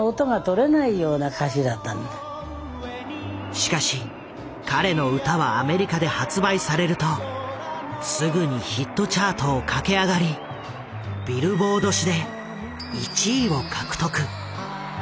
しかし彼の歌はアメリカで発売されるとすぐにヒットチャートを駆け上がり「Ｂｉｌｌｂｏａｒｄ」誌で１位を獲得。